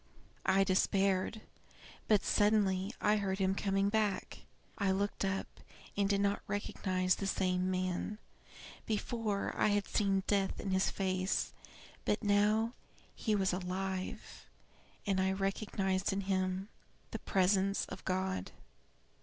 I despaired; but suddenly I heard him coming back. I looked up, and did not recognize the same man; before, I had seen death in his face; but now he was alive, and I recognized in him the presence of God.